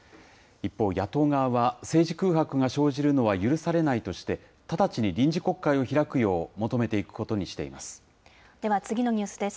一方、野党側は政治空白が生じるのは許されないとして、直ちに臨時国会を開くよう求めていくことにしています。